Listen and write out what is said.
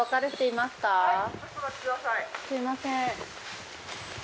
すいません。